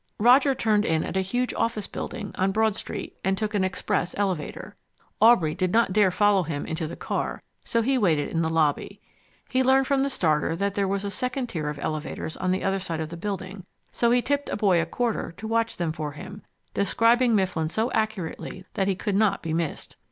Roger turned in at a huge office building on Broad Street and took an express elevator. Aubrey did not dare follow him into the car, so he waited in the lobby. He learned from the starter that there was a second tier of elevators on the other side of the building, so he tipped a boy a quarter to watch them for him, describing Mifflin so accurately that he could not be missed.